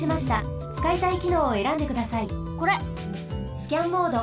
スキャンモード。